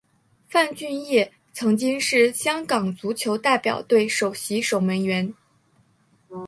范俊业曾经是香港足球代表队首席守门员。